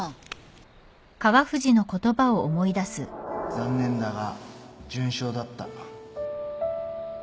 残念だが準賞だった